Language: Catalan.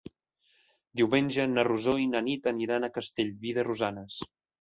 Diumenge na Rosó i na Nit aniran a Castellví de Rosanes.